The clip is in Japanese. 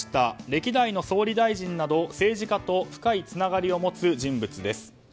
歴代の総理大臣など政治家と深いつながりを持つ人物です。